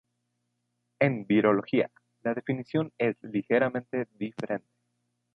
En virología, la definición es ligeramente diferente.